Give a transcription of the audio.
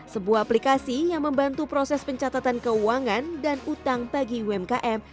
sebuah aplikasi yang membantu proses pencatatan keuangan dan utang bagi umkm